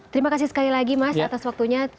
terima kasih sekali lagi mas atas waktunya